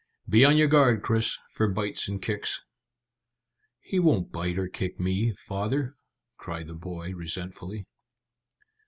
Be on your guard, Chris, for bites and kicks." "He won't bite or kick me, father," cried the boy resentfully.